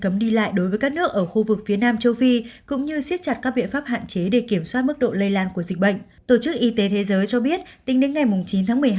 mức độ lây nhiễm nhanh hơn để kiểm soát mức độ lây lan của dịch bệnh